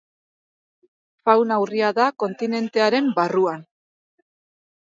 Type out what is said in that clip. Fauna urria da kontinentearen barruan.